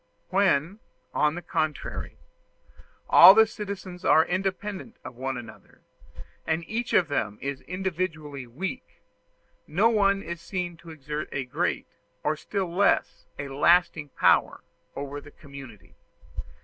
When, on the contrary, all the citizens are independent of one another, and each of them is individually weak, no one is seen to exert a great, or still less a lasting power, over the community.